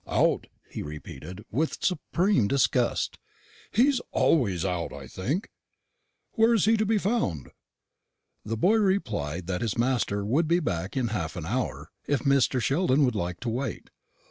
"Out!" he repeated, with supreme disgust; "he always is out, I think. Where is he to be found?" The boy replied that his master would be back in half an hour, if Mr. Sheldon would like to wait.